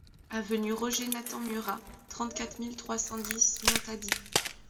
Avenue Roger Nathan Murat, trente-quatre mille trois cent dix Montady